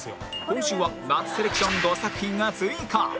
今週は夏セレクション５作品が追加